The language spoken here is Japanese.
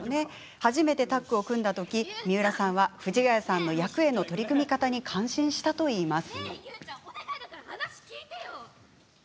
初めてタッグを組んだ時三浦さんは藤ヶ谷さんの役への取り組み方に感心したといいます。